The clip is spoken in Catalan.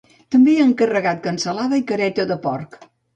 També he encarregat cansalada i careta de porc